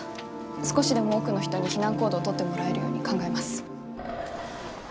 少しでも多くの人に避難行動を取ってもらえるように考えます。